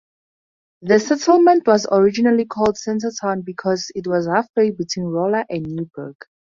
The settlement was originally called Centertown because it was halfway between Rolla and Newburg.